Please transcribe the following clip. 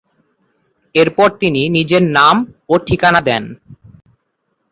এরপর তিনি নিজের নাম ও ঠিকানা দেন।